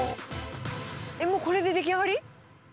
えっもうこれで出来上がり？